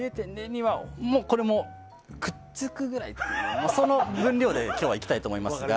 ０．０２はこれもくっつくくらいというその分量で今日はいきたいと思いますが。